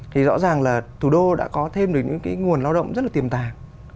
thì rõ ràng là thủ đô đã có thêm được những cái nguồn lao động rất là tiềm tàng